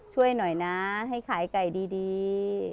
ช่วยหน่อยนะให้ขายไก่ดี